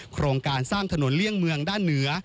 โครงการสร้างถนนเลี่ยงเมืองด้านเหนือ